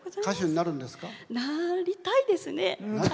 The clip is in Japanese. なりたいですね。